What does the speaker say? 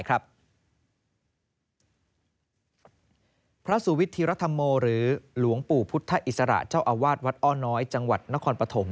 พระสุวิทธิรัฐโมหรือหลวงปู่พุทธอิสระเจ้าอาวาสวัดอ้อน้อยจังหวัดนครปฐม